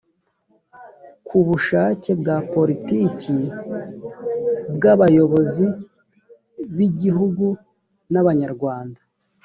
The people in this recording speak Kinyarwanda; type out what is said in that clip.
ku bushake bwa poritiki bw abayobozi b igihugu n abanyarwanda